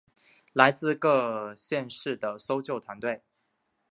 来自各县市的搜救团队